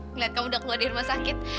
ngeliat kamu udah keluar di rumah sakit